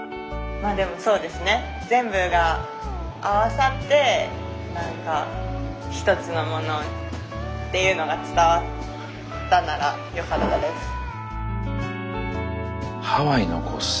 まあでもそうですね全部が合わさってなんか一つのものっていうのが伝わったならよかったです。